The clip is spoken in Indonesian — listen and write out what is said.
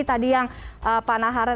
tadi yang pak nahara